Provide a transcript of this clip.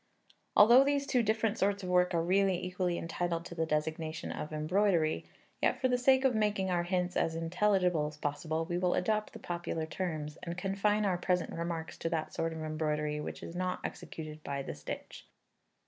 Although these two different sorts of work are really equally entitled to the designation of embroidery, yet for the sake of making our hints as intelligible as possible, we will adopt the popular terms, and confine our present remarks to that sort of embroidery which is not executed by the stitch.